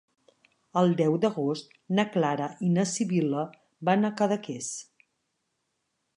El deu d'agost na Clara i na Sibil·la van a Cadaqués.